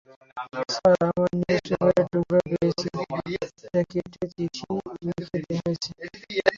Sir, আমরা নিউজপেপারের টুকরা পেয়েছি, এটা কেটে চিঠি লেখা হয়েছে।